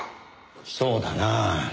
そうだな。